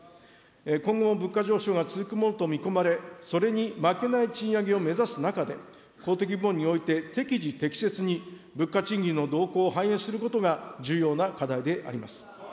今後も物価上昇が続くものと見込まれ、それに負けない賃上げを目指す中で、公的部門において適時適切に物価賃金の動向を反映することが重要な課題であります。